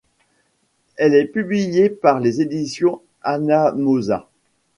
Elle est publiée par les éditions Anamosa.